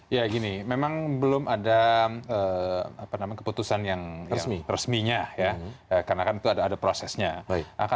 ya gini memang belum ada keputusan yang resminya ya karena kan itu ada prosesnya